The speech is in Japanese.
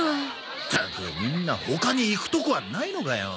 ったくみんな他に行くとこはないのかよ。